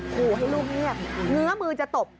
ขู่ให้ลูกเงียบเงื้อมือจะตบ